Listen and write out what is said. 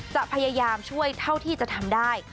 จะพยายามช่วยเท่าที่จะทำได้